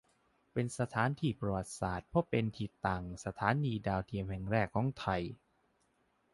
เป็นสถานที่ประวัติศาสตร์เพราะเป็นที่ตั้งสถานีดาวเทียมแห่งแรกของไทย